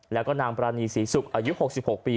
แล้วก็นางปรานีศรีศุกร์อายุ๖๖ปี